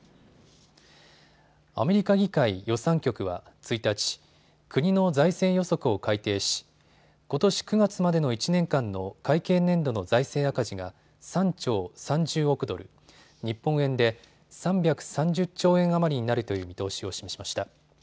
アメリカ議会予算局は１日、国の財政予測を改定しことし９月までの１年間の会計年度の財政赤字が３兆３０億ドル、日本円で３３０兆円余りになるという見通しを示しました。